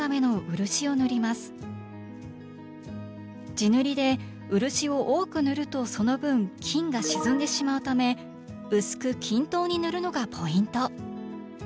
地塗りで漆を多く塗るとその分金が沈んでしまうため薄く均等に塗るのがポイント。